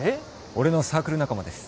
俺のサークル仲間です